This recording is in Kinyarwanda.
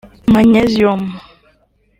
magnesium